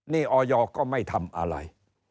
นี่ออยก็ไม่ทำอะไร